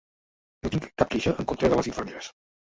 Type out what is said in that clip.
No tinc cap queixa en contra de les infermeres